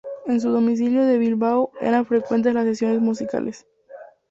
En su domicilio de Bilbao eran frecuentes las sesiones musicales.